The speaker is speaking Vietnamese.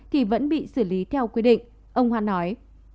thì vẫn bị xử lý theo quy định ông hoan nói